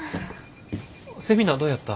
セミナーどやった？